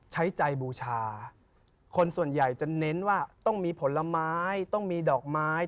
ใช้ใจบูชาคนส่วนใหญ่จะเน้นว่าต้องมีผลไม้ต้องมีดอกไม้